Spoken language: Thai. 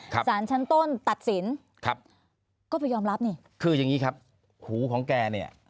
สารชั้นต้นตัดสินครับก็ไปยอมรับนี่คืออย่างงี้ครับหูของแกเนี่ย